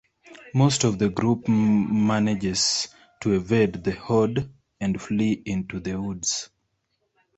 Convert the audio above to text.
Most of the group manages to evade the horde and flee into the woods.